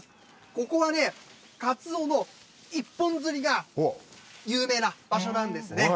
ここはね、かつおの一本釣りが有名な場所なんですね。